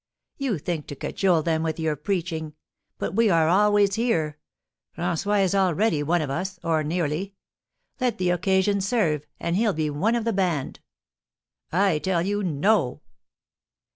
You think to cajole them with your preaching! But we are always here. François is already one of us, or nearly. Let the occasion serve, and he'll be one of the band." "I tell you, no!"